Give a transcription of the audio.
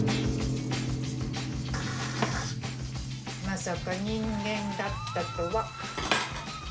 まさか人間だったとは。